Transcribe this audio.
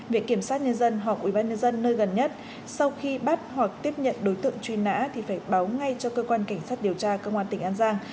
việc kiểm soát nhân dân hoặc ủy ban nhân dân nơi gần nhất sau khi bắt hoặc tiếp nhận đối tượng truy nã thì phải báo ngay cho cơ quan cảnh sát điều tra công an tỉnh an giang